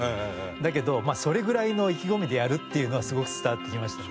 だけどそれぐらいの意気込みでやるっていうのはすごく伝わってきました。